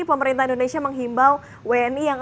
pemerintah indonesia menghimbau wni yang